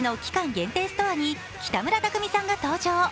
限定ストアに北村匠海さんが登場。